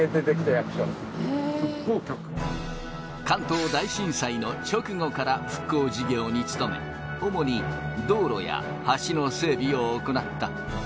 関東大震災の直後から復興事業につとめおもに道路や橋の整備をおこなった。